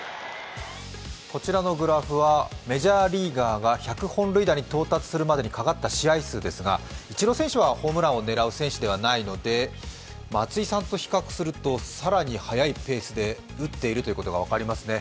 こちらのグラフはメジャーリーガーが１００本塁打に到達するまでにかかった試合数ですがイチロー選手はホームランを狙う選手ではないので松井さんと比較すると更に早いペースで打っていることが分かりますね。